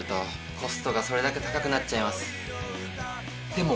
でも。